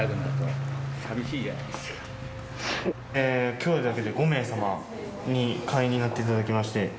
きょうだけで５名様に会員になっていただけまして。